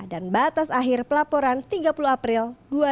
dan batas akhir pelaporan tiga puluh april dua ribu dua puluh dua